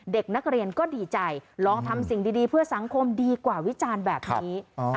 เด็กนักเรียนก็ดีใจลองทำสิ่งดีเพื่อสังคมดีกว่าวิจารณ์แบบนี้